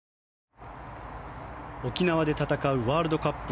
沖縄で戦うワールドカップ